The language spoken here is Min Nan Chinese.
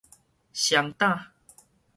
雙打